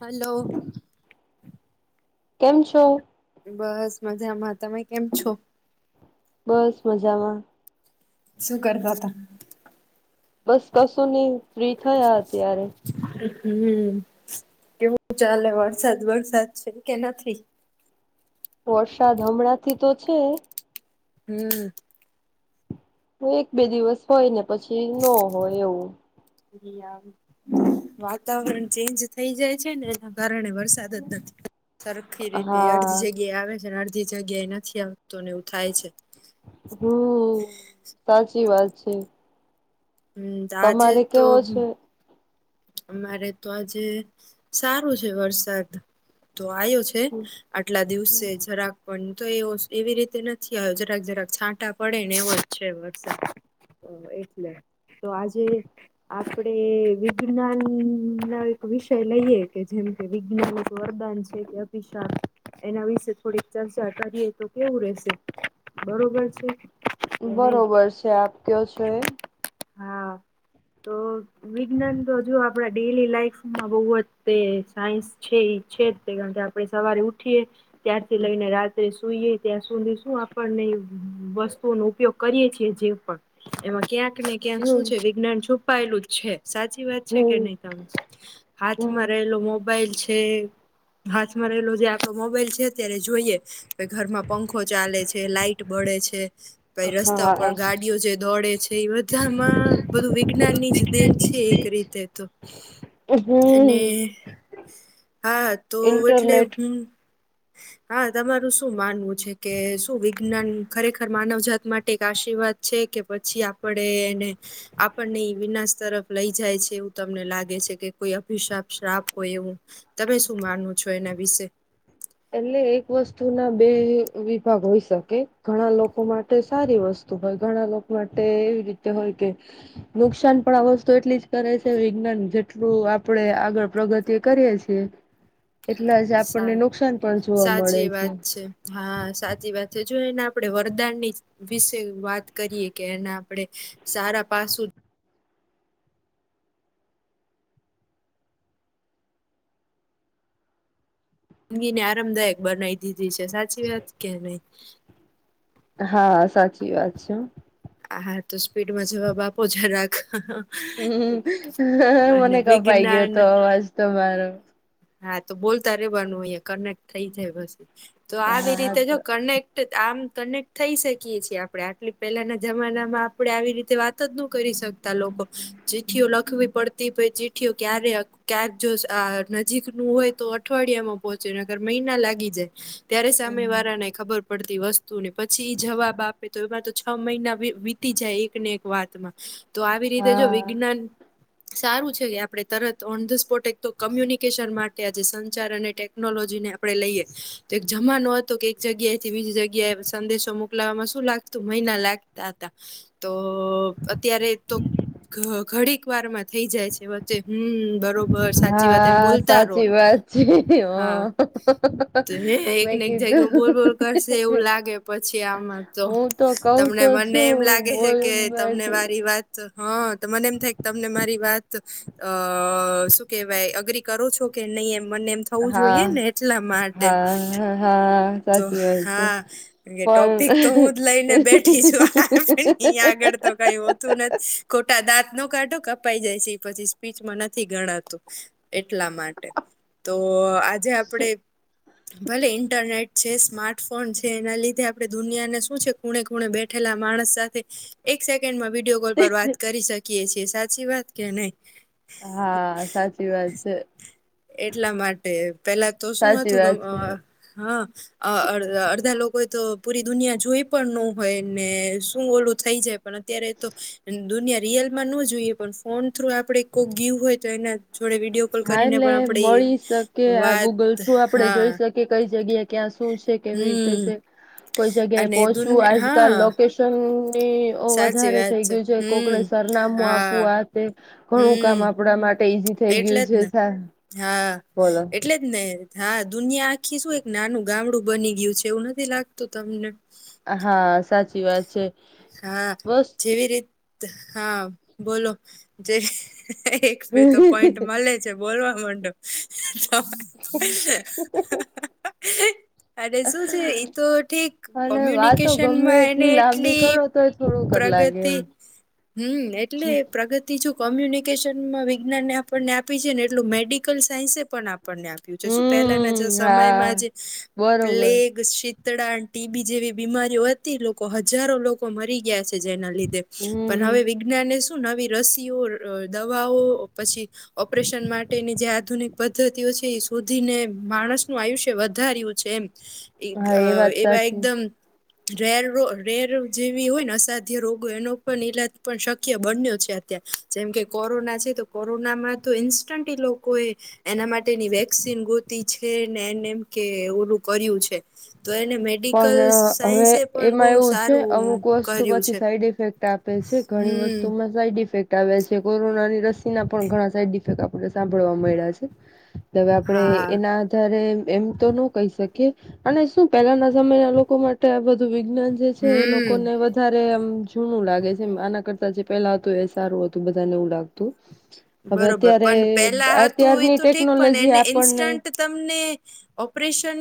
Hello કેમ છો? બસ મજામાં. તમે કેમ છો? બસ મજામાં. શું કરતાતા? બસ કશું ની. ફ્રી થયા અત્યારે. હમ્મ. કેવું ચાલે? વરસાદ વરસાદ છે કે નથી? વરશાદ હમણાંથી તો છે હમ્મ એક બે દિવસ હોય ને પછી નો હોય એવું [unintelligible] વાતાવરણ ચેન્જ થઇ જાય છે ને એના કારણે વરસાદ જ નથી આ સરખી રીતે અડધી હા જગ્યાએ આવે છે અને અડધી જગ્યાએ નથી આવતો ને એવું થાય છે. હમ્મ. સાચી વાત છે. હમ્મ તો આજે તમારે તો કેવો છે? અમારે તો આજે સારું છે વરસાદ તો આયો છે. આટલા દિવસે જરાક પણ તોય એવો સ એવી રીતે નથી આયો. જરાક જરાક છાંટા પડે ને એવો જ છે વરસાદ તો એટલે. તો આજે આપડે વિ જ્ઞાનના એક વિષય લઈએ કે જેમ કે, વિજ્ઞાન એક વરદાન છે કે અભિશાપ એના વિશે થોડીક ચર્ચા કરીએ. તો કેવું રહેશે? બરોબર છે કે ન‌ઈ? બરોબર છે આપ કયો છો એ. હા તો વિજ્ઞાન તો હજુ આપણા ડેઈલી લાઈફમાં બહુ તે સાયન્સ છે ઈ છે જ તે. કારણ કે, આપણે સવારે ઉઠીએ ત્યારથી લઈને રાત્રે સુઈએ ત્યાં સુધી શું આપણને વસ્તુઓનો ઉપયોગ કરીયે છીએ જે પણ‌. એમાં ક્યા કને ક્યાંક શું હમ્મ છે? વિજ્ઞાન છુપાયેલું જ છે સાચી વાત છે કે હમ્મ નહી તમે હાથમાં હમ્મ રહેલો મોબ બાઈલ છે. હાથમાં રહેલો જે આપણો મોબાઈલ છે ત્યારે જોઈએ કે ઘરમાં પંખો ચાલે છે, લાઈટ બળે છે પહિ રસ્તા ઉપર હા ગાડીઓ જે દોડે છે. એ બધામાં બધું વિજ્ઞાનની જ દેન છે એક રી તે તો અને હમ્મ હા તો એટલે ઇન્ટરનેટ હું [inaudible] હા તમારું શું માનવું છે કે શું વિજ્ઞાન ખરેખર માનવ જાત માટે એક આશીર્વાદ છે કે પછી આપણે એને આપણને ઈ વિનાશ તરફ લઈ જાય છે એવ તમને લાગે છે કે કોઈ અભિશાપ શ્રાપ હોય એવું. તમે શું માનવુ છો એના વિશે? એટલે એક વસ્તુના બે વિભાગ હોય શકે ઘણાં લોકો માટે સારી વસ્તુ તો ભાઈ ઘણા લોકો માટે એવી રીતે હોય કે નુકસાન પણ આ વસ્તુ એટલી જ કરે છે વિજ્ઞાન જેટલું આપણેે આગળ પ્રગતિ કરીએ છીએ એટલાં જ સા આપણને નુકસાન પણ જોવા મળે સાચી વાત છે હા સાચી વાત છે જો એને આપણેે વરદાનની વિશે વાત કરીએ કે એને આપડે સારા પાસું જિંદગીને આરામદાયક બનાવી દીધી છે. સાચી વાત કે નહી? હા સાચી વાત છે. હા તો સ્પીડમાં જવાબ આપો જરાક હમ્મ અને મને કપાઈ વિજ્ઞાન ગ્યોતો અવાજ તમારો હા તો બોલતા રહેવાનું હોઈ અહી કનેક્ટ થઇ જાય પછી. તો આવી હા રીતે જો તો કનેક્ટ આમ કનેક્ટ થઈ શકીએ છીએ આપણે. આટલી પેલાનાં જમાનામાં આપણે આવી રીતે વાત જ નો કરી શકતાં લોકો. ચિઠ્ઠીઓ લખવી પડતી પહી ચિઠ્ઠીઓ ક્યારેક ક્યાંક જોસ્ આ ન નજીકનું હોય તો અઠવાડિયામાં પહોંચે નકર મહિના લાગી જાય ત્યારે સામેવારાનેય ખબર પડ તી વસ્તુની પછી એ જવાબ આપે તો એમાં તો છ મહિના વીતી જાય એકને એક વાતમાં તો આવી રીતે જો હા વિજ્ઞાન સારું છે કે આપણે તરત ઓન ધ સ્પોટ એક તો કમ્યુની કેશન માટે આજ સંચાર અને ટેક્નોલોજીને આપણે લઈએ તો એક જમાનો હતો કે, એક જગ્યાએ થી બીજી જગ્યાએ સંદેશો મોકલાવામાં શું લાગતું મહિના લાગતા હતા. તો અત્યારે તો ઘઘડીકવારમાં થઈ જાય છે વચ્ચે હમ્મ બરોબર સાચી વાત. તેમ હા બોલતા રો સાચી વાત છે હ હા તો હે.. ! મેં એકને એક [unintelligible] કીધું હું બોલ બોલ કરશે એવું લાગે પછી આમાં તો હું કઉ તમને તો મને એમ છું લાગે છે બોલ કે, તમને મારી વાત હ તો મને એમ થાય તમને મારી વાત અ શું કહેવાય અગ્રી કરો છો કે નહી? એમ મને એમ થવું હા જોઈએ ને એટલા માટે હા હા તો સાચી વાત છે હા ટોપિક તો પણ હું જ લઈને બેઠી છું અહી આગળ તો કાઈ હોતું નથી ખોટા દાંત નો કાઢો કપાઈ જાય છે એ પછી સ્પીચમાં નથી ગણાતું એટલા માટે તો આજે આપડે ભલે ઇન્ટરનેટ જે સ્માર્ટફોન છે એનાં લીધે આપણે દુનિયાને શું છે ખૂણે ખૂણે બેઠેલા માણસ સાથે એક સેકેન્ડમાં વિડીયો કોલ પર વાત કરી શકીએ છીએ સાચી વાત કે નઈ? હા સાચી વાત છે. એટલા માટે પેલા તો શું સાચી હતું વાત છે [unintelligible] હા અ અડધાં લોકોએ તો પૂરી દુનિયા જોઈ પણ નો હોય ને શું ઓલું થઈ જાય પણ અત્યારે તો દુનિયા રિયલમાં નો જોઈએ પણ ફોન થ્રુ આપડે કોક ગ્યુ હોય તો એના જોડે વિડીયો કોલ હા કરીને એટલે પણ આપડી મળી શકે આ વાત ગૂગલ થ્રુ આપડે હા જોઈ શકીએ કઈ જગ્યાએ ક્યાં શું છે? કેવી રીતે હમ છે? કોઈ જગ્યાએ અને દુન પોહોંચવું આજકાલ હા લોકેશનની ઓ સાચી વધારે વાત થઈ ગ્યું છે. કોકને હમ સ્ સરનામું હા આપવું આ તે ઘણું કામ હમ આપણા માટે ઈઝી થઈ એટલે ગ્યું છે. સા હા બોલો એટલે જ ને. હા દુનિયા આખી શું એક નાનું ગામડું બની ગ્યું છે એવું નથી લાગતું તમને? હા સાચી વાત છે. હા. બસ જેવી રીત્ત હા બોલો જેવી એક બે તો પોઈન્ટ મલે છે. બોલવા માંડો. તો અને હ શું છે ઈ [unintelligible] ઠીક હલો વાતો ગમે કોમ્યુનિકેશનમાં એને એટલી લાંબી કરો તોય થોડુંક જ લાગે પ્રગતિ. એમ હમ્મ એટલે પ્રગ તી જો કોમ્યુનિકેશનમાં વિજ્ઞાનને આપણને આપી છે ને, એટલું મેડિકલ સાયન્સે પણ આપણને આપ્ [unintelligible] શું પહેલાંના જે હમ હા સમયમાં જ બરોબર પ્લેગ, શીત્ તળાને, ટી બી જેવી બીમારીઓ હતી. લોકો હજારો લોકો મરી ગયા છે. જેના લીધે ધે પણ હમ હવે વિજ્ઞાને શું નવી રસીઓ, ર દવાઓ પછી ઓપરેશન માટેની જે આધુનિક પદ્ધતિઓ છે. એ શોધીને માણસનું આયુષ્ય વધાર્યું છે એમ. એક‌ હા અ એ વાત એવા સાચી એકદમ [unintelligible] રેર- જેવી હોયને, અસાધ્ય રોગો. એનો પણ ઈલાજ પણ શક્ય બન્યો છે અત્યારે. જેમ કે, કોરોના છે તો કોરોનામાં તો ઇન્સ્ટન્ટ ઈ લોકોએ એના માટેની વેક્સિન ગોતી છે ને, એને એમ કે ઓલું કર્યું છે. તો એને મેડિકલ પણ હવે, સાયન્સે પણ બહુ એમાં એવું છે સારું અમુક વસ્તુ કર્યું પાછી છે સાઈડ ઇફેક્ટ આપે છે ઘણી હમ વસ્તુમાં ઘણી સાઈડ ઇફેક્ટ આવ્યા છે. કોરોનાની રસીના પણ ઘણાં સાઈડ ઇફેક્ટ આપણને સાંભળવા મયળા છે. હવે આપણે હા એના આધારે એમ તો નો કહી શકીએ અને શું પહેલાના સમયે આ લોકો માટે આ બધું વિજ્ઞાન જે છે એ હમ લોકોને વધ ધારે એમ જૂનું લાગે છે. આનાં કરતા જે પહેલા હતું એ સારું હતું બધાને એવું લાગતું. હવે બરોબર અત્યારે પણ પેલા હતું એ અત્યારની તો ઠીક પણ ટેક્નોલોજી એને આપણને ઇન્સ્ટન્ટ તમને ઓપરેશન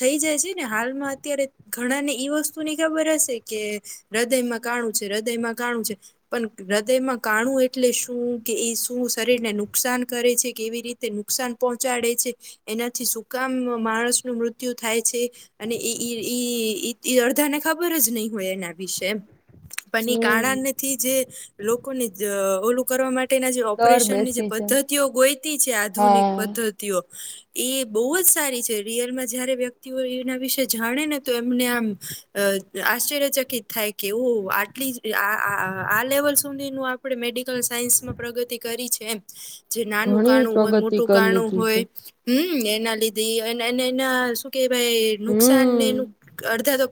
થઈ જાય છે ને હાલમાં અત્યારે ઘણાંને ઈ વસ્તુની ખબર હશે કે હૃદયમાં કાણું છે, હૃદયમાં કાણું છે, પણ હૃદયમાં કાણું એટલે શું કે એ શ્ શું શરીરને નુકસાન કરે છે? કેવી રીતે નુકસાન પહોંચાડે છે? એનાંથી સુકામ માણસનું મૃત્યુ થાય છે? અને એ ઈઈઈઈ અડધાને ખબર જ નહી હોય એના વિશે એમ પણ એ હમ કાણાનેથી જે લોકોને જ ઓલું કરવા માટેના દર પ્રેશનની જે બેસી છે પદ્ધતિઓ ગોઈતી છે. આધુનિક હા પદ્ધ તીઓ એ બહુ જ સારી છે. રિયલમાં જ્યારે વ્યક્તિઓ એના વિશે જાણેને તો એમને આમ અ આશ્ચય ચકીત થાય કે, ઓહ! આટલી જ આ આ લેવલ સુધીનું આ આપણે મેડિકલ સાયન્સમાં પ્રગતિ કરી છે એમ જે નાનું ઘણી કાણું હોય, પ્રગતિ મોટું કરી કાણું લીધી હોય. છે હમ એના ઈ હોય, એના શું કેવાય નુકસાનને હમ એનું અડધા તો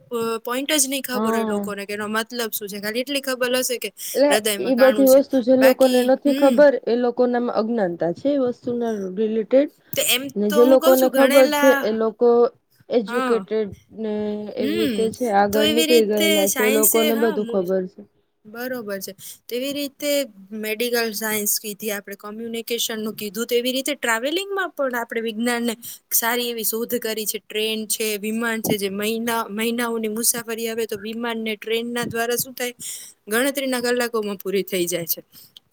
પોઈન્ટ જ નઈ ખબર હોય, હા લોકોને કે એનો મતલબ શું છે? ખાલી એટલી ખબર હશે કે. એટલે હૃદયમાં ઈ બધી કાણું છે વસ્તુ જે લોકોને બાકી નથી હમ ખબર એ લોકોનામાં અજ્ઞાનતા છે. વસ્તુના ડીલીટ ટેડ તો એમ ને તો જે હું કઉ લોકોને છું ખબર છે. ગણેલા એ લોકો હા એજ્યુકેટેડ ને એવી હમ રીતે છે. તો આગળ એવી નીકળી રીતે ગયેલા છે, સાયન્સે લોકોને હા બધું ખબર છે. બરોબર છે. તેવી રીતે મેડિકલ સાયન્સ કીધી, આપણે કોમ્યુનિકેશનનું કીધું, તેવી રીતે ટ્રાવેલિગં મા પણ આપણે વિજ્ઞાનને સારી એવી શોધ કરી છે. ટ્રેન છે, વિમાન જે -જે મહિના -મહિનાઓની મુસાફરી આવે તો, વિમાન ને ટ્રેનના દ્વારા શું થાય. ગણતરીના કલાકોમાં પૂરી થઈ જાય છે.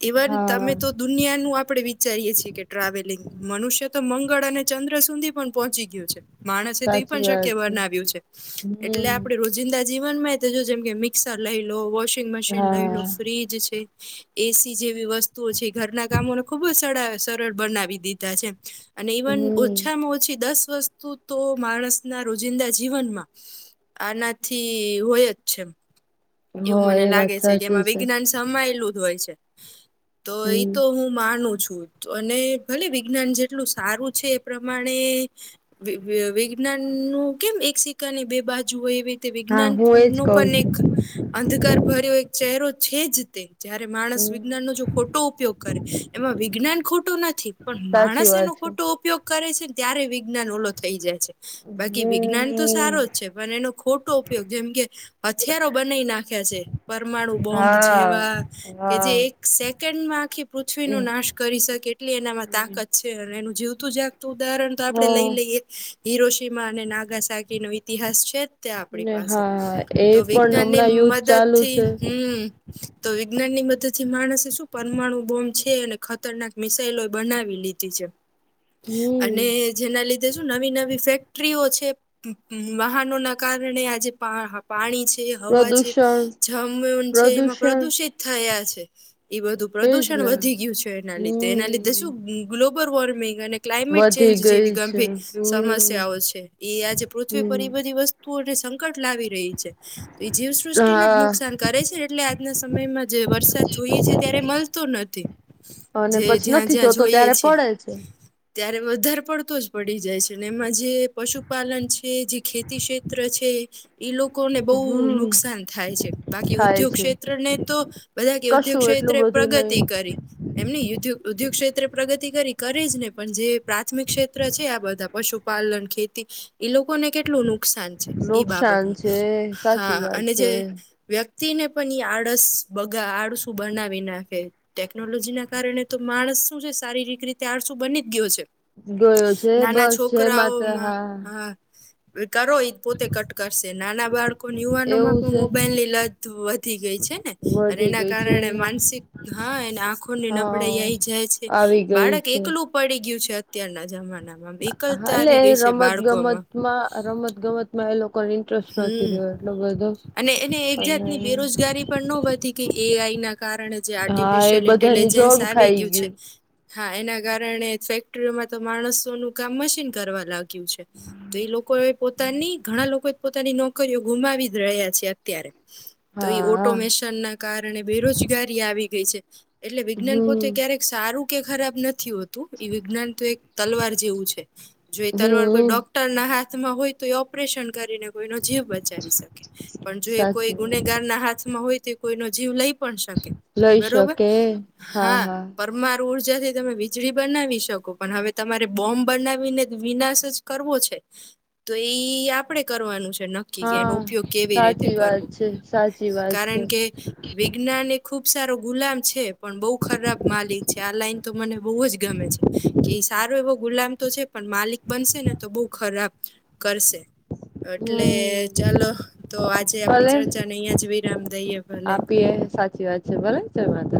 ઇવન તમે હા તો દુનિયાનું આપણે વિચારીએ છીએ કે ટ્રાવેલિંગ મનુષ્ય તો મંગળ અને ચંદ્ર સુધી પણ પોહોંચી ગયો છે. માણસે તો એઈ સાચી પણ શક્ય વાત છે બનાવ્યુ. એટલે હમ આપણે રોજિંદા જીવનમા, [unintelligible] જેમ કે મિક્સર લઈ લો, વો વશિંગ મશીન લઈ લો, હા ફ્રીજ છે. એસી જેવી વસ્તુઓ છે. ઘરના કામોને ખુબ જ સરળ બનાવી દીધા છે. અને ઇવન હમ ઓછામાં ઓછી દસ વસ્તુ તો માણસ ના રોજિંદા જ જીવનમાં આનાથી હોય જ છે. એવું હા મને એ વાત લાગે છે કે સાચી એમાં વિજ્ઞાન સમાયેલું જ હોય છે. તો એ હમ તો હું હું માનું છું. અને ભલે વિજ્ઞાન જેટલું સારું છે એ પ્રમાણે વિજ્ઞાન નું કેમ એક સિકકાની બે બાજુ હોય એવી તે હા હું એજ નો કઉ પણ એક છું અંધકાર ભર્યો એક ચહેરો જ તે. જયારે માણસ વિજ્ઞાન હમ નો જો ખોટો ઉપયોગ કરે, એમાં વિજ્ઞાન ખોટું નથી. પણ સાચી માણસ એનો વાત છે ખોટો ઉપયોગ કરે છે ને, ત્યારે વિજ્ઞાન ઓલો થઈ જાય છે. બાકી વિજ્ઞાન તો સારો હમ જ છે. પણ એનો ખોટો ઉપયોગ જેમ કે હથ થિયારો બનાઈ નાખે છે. પરમાણુ બોમ્બ હા જેવા કે હા જે એક સેકન્ડમાં આખી પૃથ્વીનો એમ નાશ કરી શકે એટલી એનામાં તાકાત છે. અને એનું જીવતું જાગતું ઉદાહરણ તો આપડે હા લઈ લઈએ. હિરોશીમા અને નાગાસાકી નો ઈતિહાસ છે જ ત્યાં આપણી ને પાસે. હા એ તો પણ વિજ્ઞાન ની હમણાં યુદ્ધ મદદ ચાલુ થી છે હમ. તો વિજ્ઞાનની મદદ થી માણસે શું પરમાણુ બોમ્બ છે અને ખતરનાક મિસાઇલોય બનાવી લીધી છે. હ [inaudible] અને. જેના લીધે શુ નવી-નવી ફેક્ટરીઓ છે, વાહનો ના કારણે આજે પ પાણી છે, હવા છે, પ્રદૂષણ જ [unintelligible] છે, એમાં પ્રદૂષણ પ્રદુષિત થયા છે. એ બધું એજ પ્રદુષણ ને વધી ગયું છે એના લીધે, એના લીધે શું હમ ગ્લોબલ વોર્મિંગ અને ક્લાઇમેટ વધી ચેન્જ જેવી ગઈ છે ગંભીર હમ સમસ્યાઓ છે. એ આજે પૃથ્વી પર હમ ઈ બધી વસ્તુ તું અટે સંકટ લાવી રહી. છે તો એ જીવસૃષ્ટિને જ ના હા નુકસાન કરે છે. એટલે આજના સમયમાં જે વરસાદ જોઈએ છે ત્યારે મળતો નથી. અને જે પછી જ્યાં- નથી જ્યાં જોતો જોઈએ ત્યારે છે. પડે ત્યારે વધારે પડતો જ પડી જાય છે અને એમાં જે પશુપાલન છે, જે ખેતી ક્ષેત્ર છે. એ લોકોને બહુ હમ નુકસાન થાય છે. બાકી થાય ઉદ્યોગ છે ક્ષેત્ર ને તો બધા કેઉદ્યોગ કશું એટલું ક્ષેત્રે બધું નહી પ્રગતિ કરી. એમ ની ઉ ઉદ્યોગ ક્ષેત્રે પ્રગતિ કરી. કરે જ ને પણ જે પ્રાથમિક ક્ષેત્ર છે આ બધા. પશુપાલન, ખેતી, ઈ લોકોને કેટલું નુકસાન છે. ઈ રોક સાન્ત બાબતનું છે સાચી વાત છે વ્યક્તિ ને પણ ઈ આળસ બગા આળસું બનાવી નાખે. ટેકનોલોજી ના કારણે તો માણસ શું છે શારીરિક રીતે આળસું બની જ ગયો છે. ગયો છે નાના બસ જય માતા છોકરાઓમાં હા હ કરો એ પોતે કટ કર નાના બાળકો યુવાનો માં એવું પણ છે મોબાઈલ ની લત વધી ગઈ છે ને અને વધી એના ગઈ છે કારણે ને માનસિક હા એને આંખોને નબળાઈ હા આઈ જાય છે આવી ગઈ બાળક છે એકલું, પડી ગયું છે, અત્યારના જમાનામાં એકલતા આવી ગઈ છે બાળકોમાં. માં રમત ગમત, મે એ લોકોને ઇન્ટરેસ્ટ નથી હમ રહ્યો એટલો બધો અને એને અને [inaudible] કે એ આઈ ના કારણે જે હા એ આર્ટિફિશિયલ બધાની ઇન્ટેલિજન્સ જોબ આવી ખાઈ ગયું છે. હા એના કારણે ફેક્ટરીઓમાં તો માણસોનું કામ મશીન કરવા લા તો એ લોકો એ પોતાની ઘણા લોકો જ પોતાની નોકરીઓ ગુમાવી જ રહ્યા છે. ત્યારે તો એ હા ઓટોમેશન ના કારણે બેરોજગારી આવી ગઈ છે. એટલે વિજ્ઞાન પોતે હમ ક્યારેક સારું કે ખરાબ નથી હો એ વિજ્ઞાન તો એક તલવાર જેવું છે જો એ તલવાર કોઈ હમ ડોક ના હાથમાં હોય તો એ ઓપરેશન કરીને, કોઈ નો જીવ બચાવી શકે, પણ જો એ કોઈ સાચું ગુનેગાર ના હાથમાં હોય તો કોઈ ન જીવ લઈ. પણ શકે લઈ બરોબર શકે હા, મા ઉર્જાથી તમે વીજળી બનાવી શકો પણ હવે તમારે બોમ્બ બનાવીને વિનાશ જ, કરવો છે તો ઈ આપડે કરવાનું છે ન ક્કી કે એનો હા ઉપયોગ કેવી રીતે સાચી વાત કરવો છે સાચી વાત છે કારણ કે વિ જ્ઞાન એ ખુબ સારો ગુલામ છે, પણ બહુ ખરાબ માલિક છે આ લાઈન તો મને બહુ જ ગમે છે. કે ઈ સારો એવો ગુલામ તો છે, પણ માલિક બનશે ને તો બઉ ખરાબ કરશે. એટલે હમ ચલો તો આજે આપડી ભલે ચર્ચાને અહીંયા જ વિરામ દઈએે ભલે. આપીએ સાચી વાત, છે ભલેને કાઈ વાંધો,